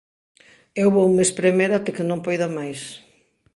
Eu voume espremer até que non poida máis.